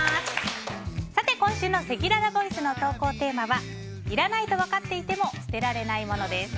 今週のせきららボイスの投稿テーマはいらないとわかっていても捨てられないものです。